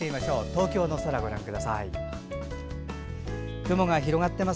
東京の空、ご覧ください。